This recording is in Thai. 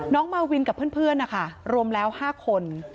มาวินกับเพื่อนนะคะรวมแล้ว๕คน